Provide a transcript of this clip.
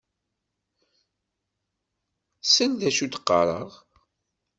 Sel d acu i d-qqareɣ.